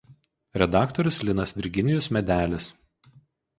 Redaktorius Linas Virginijus Medelis.